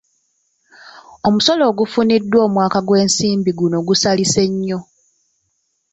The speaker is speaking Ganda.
Omusolo ogufuniddwa omwaka gw'ebyensimbi guno gusalise nnyo.